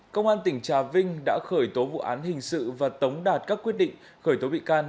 công an tỉnh trà vinh đã khởi tố vụ án hình sự và tống đạt các quyết định khởi tố bị can